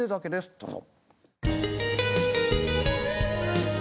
どうぞ。